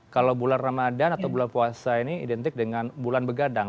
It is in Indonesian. kalau bulan ramadan atau bulan puasa ini identik dengan bulan begadang